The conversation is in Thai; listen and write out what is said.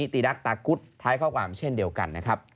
ที่นักตากุฎไทยข้อความเช่นเดียวกัน